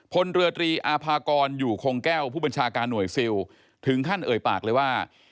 พลเรือตรีอาภากรอยู่คงแก้วผู้บัญชาการหน่วยซิลถึงขั้นเอ่ยปากเลยว่า